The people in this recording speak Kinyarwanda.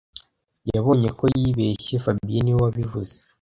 Yabonye ko yibeshye fabien niwe wabivuze